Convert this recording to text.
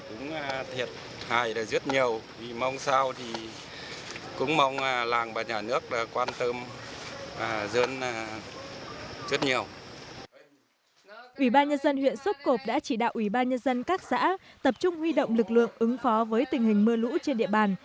ủy ban nhân dân huyện sốp cộp đã chỉ đạo ủy ban nhân dân các xã tập trung huy động lực lượng ứng phó với tình hình mưa lũ trên địa bàn